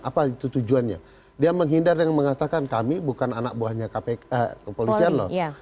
apa itu tujuannya dia menghindar dengan mengatakan kami bukan anak buahnya kepolisian loh